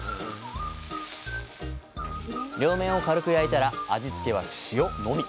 両面を軽く焼いたら味付けは塩のみ！